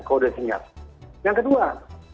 kode senyap yang kedua